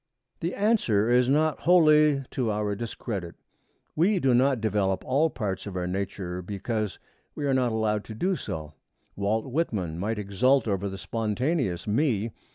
The answer is not wholly to our discredit. We do not develop all parts of our nature because we are not allowed to do so. Walt Whitman might exult over the Spontaneous Me.